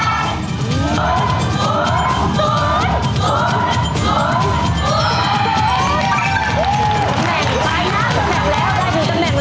กำแหนกไปนะกำแหนกดูกำแหนกแล้ว